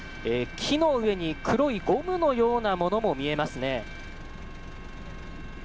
木の上に黒いゴムのようなものも見えますね。